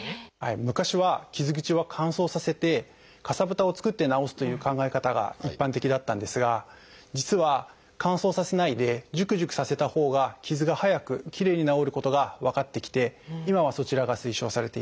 昔は傷口は乾燥させてかさぶたを作って治すという考え方が一般的だったんですが実は乾燥させないでジュクジュクさせたほうが傷が早くきれいに治ることが分かってきて今はそちらが推奨されています。